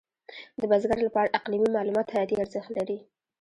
د بزګر لپاره اقلیمي معلومات حیاتي ارزښت لري.